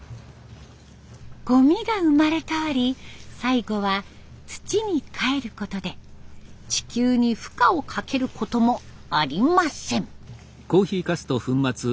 ゴミが生まれ変わり最後は土にかえることで地球に負荷をかけることもありません。